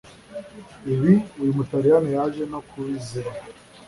ibi uyu mutaliyani yaje no kubizira